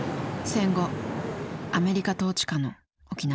戦後アメリカ統治下の沖縄。